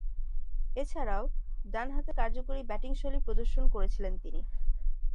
এছাড়াও, ডানহাতে কার্যকরী ব্যাটিংশৈলী প্রদর্শন করেছিলেন তিনি।